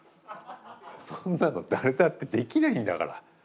そんなの誰だってできないんだから。